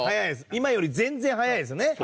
今より全然早いですよね